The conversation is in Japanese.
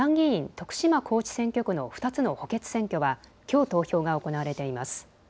徳島高知選挙区の２つの補欠選挙はきょう投票が行われています。